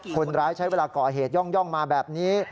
คนร้ายใช้เวลาก่อเหตุย่องมาแบบนี้